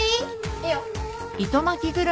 いいよ。